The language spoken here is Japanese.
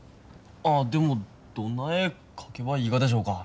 ああでもどんな絵描けばいいがでしょうか。